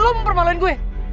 lo mau perbalain gue